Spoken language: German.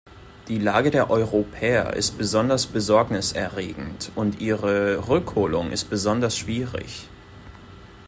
Die Lage der Europäer ist besonders besorgniserregend, und ihre Rückholung ist besonders schwierig.